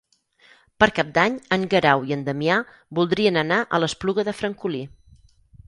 Per Cap d'Any en Guerau i en Damià voldrien anar a l'Espluga de Francolí.